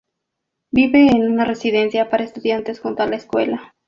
Vive en una residencia para estudiantes junto a la escuela.